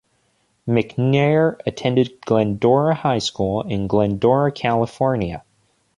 McNair attended Glendora High School in Glendora, California.